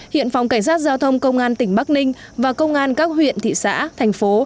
hiện phòng cảnh sát giao thông công an tỉnh bắc ninh và công an các huyện thị xã thành phố